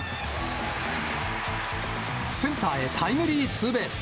センターへタイムリーツーベース。